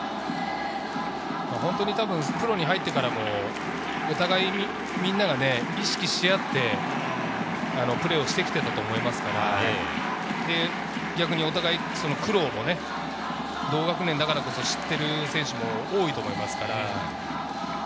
プロに入ってからもお互いみんなが意識し合って、プレーをしてきていたと思いますから、お互い苦労もね、同学年だからこそ知っている選手も多いと思いますから。